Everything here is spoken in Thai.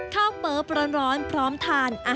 ข้าวเปิ๊บร้อนพร้อมทาน